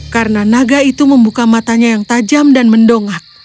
karena naga itu membuka matanya yang tajam dan mendongak